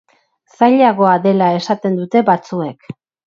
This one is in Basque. Zailagoa dela esaten dute batzuek.